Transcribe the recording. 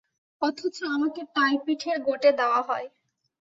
অথচ আমাকে টাইপিঠের গোটে দেয়া হয়।